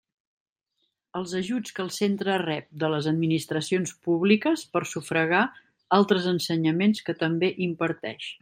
Els ajuts que el centre rep de les administracions públiques per sufragar altres ensenyaments que també imparteix.